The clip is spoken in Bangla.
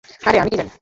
আরে আমি কী জানি?